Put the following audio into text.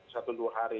satu dua hari